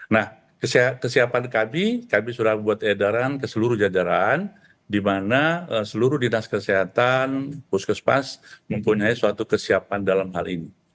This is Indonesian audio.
nah kesiapan kami kami sudah buat edaran ke seluruh jajaran di mana seluruh dinas kesehatan puskesmas mempunyai suatu kesiapan dalam hal ini